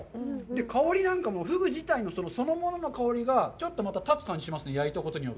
香りなんかも、フグ自体のそのものの香りがちょっとたつ感じがしますね焼いたことによって。